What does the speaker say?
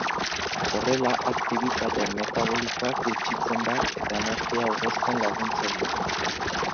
Horrela aktibitate metabolikoa gutxitzen da eta energia aurrezten laguntzen du.